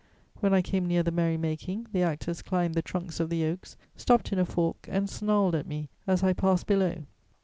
When I came near the merry making, the actors climbed the trunks of the oaks, stopped in a fork, and snarled at me as I passed below.